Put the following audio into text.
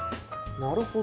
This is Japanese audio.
なるほど。